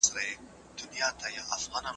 کېدای سي خواړه خراب وي!!